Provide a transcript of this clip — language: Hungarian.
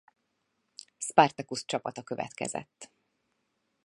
Spartacus csapata következett.